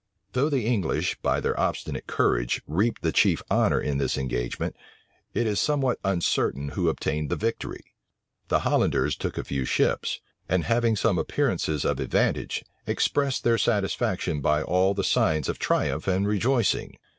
Though the English, by their obstinate courage, reaped the chief honor in this engagement it is somewhat uncertain who obtained the victory. The Hollanders took a few ships; and having some appearances of advantage, expressed their satisfaction by all the signs of triumph and rejoicing.